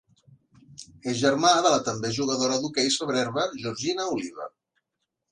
És germà de la també jugadora d'hoquei sobre herba Georgina Oliva.